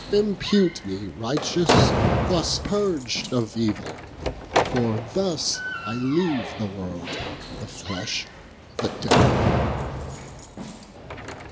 Impute me righteous, thus purg'd of evill, For thus I leave the world, the flesh, the devill.